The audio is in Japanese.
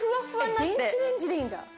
えっ電子レンジでいいんだ？